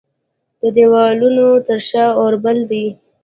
د دیوالونو تر شا اوربل دی